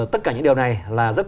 tất cả những điều này là rất